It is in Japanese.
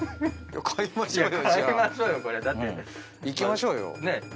いきましょうよ。